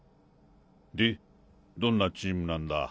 でどんなチームなんだ？